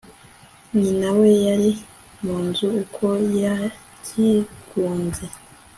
nyina, we yari mu nzu uko yakigunze